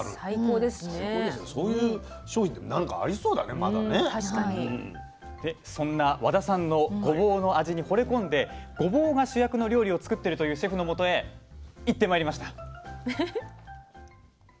でそんな和田さんのごぼうの味にほれ込んでごぼうが主役の料理を作ってるというシェフのもとへ行ってまいりました。